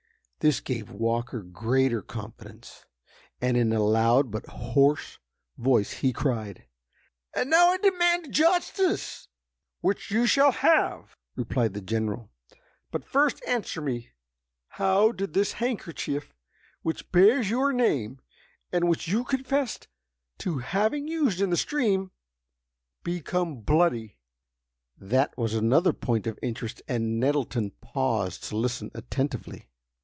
This gave Walker greater confidence, and, in a loud but hoarse voice he cried: "And now I demand justice!" "Which you shall have," replied the General. "But first answer me; how did this handkerchief, which bears your name, and which you confess to having used in the stream, become bloody?" That was another point of interest, and Nettleton paused to listen attentively.